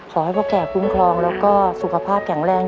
ขอให้พ่อแก่คุ้มครองแล้วก็สุขภาพแข็งแรง